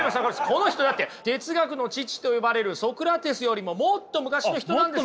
この人だって哲学の父と呼ばれるソクラテスよりももっと昔の人なんですよ。